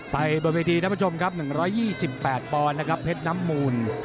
บนเวทีท่านผู้ชมครับ๑๒๘ปอนด์นะครับเพชรน้ำมูล